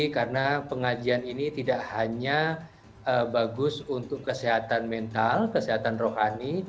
karena pengajian ini tidak hanya bagus untuk kesehatan mental kesehatan rohani